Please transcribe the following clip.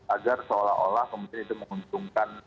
agar seolah olah kemudian itu menguntungkan